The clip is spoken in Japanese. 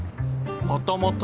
またまた。